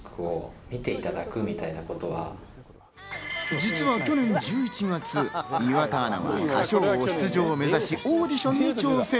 実は去年１１月、岩田アナは『歌唱王』出場を目指し、オーディションに挑戦。